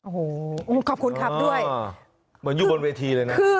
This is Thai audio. โอ้โฮขอบคุณครับด้วย